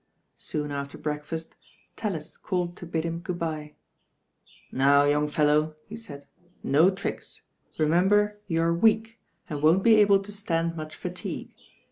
Soon after breakfast Tallis caUed to bid him good bye. "Now, young feUow," he said, "no tricks. Re member you are weak, and won't be able to stand much fatigue.